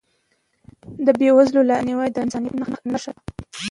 د بېوزلو لاسنیوی د انسانیت نښه ده.